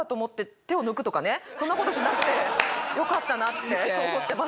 そんな事しなくてよかったなって思ってます。